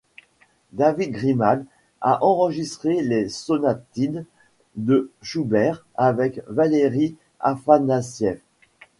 David Grimal a enregistré les Sonatines de Schubert avec Valery Afanassiev.